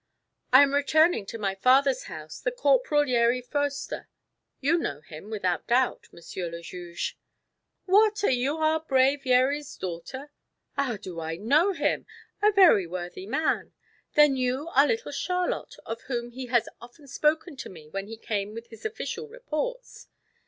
"I am returning to my father's house, the Corporal Yeri Foerster. You know him, without doubt, Monsieur le Juge." "What, are you our brave Yeri's daughter? Ah, do I know him? A very worthy man. Then you are little Charlotte of whom he has often spoken to me when he came with his official reports?"